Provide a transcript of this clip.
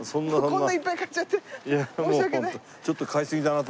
こんないっぱい買っちゃって申し訳ない。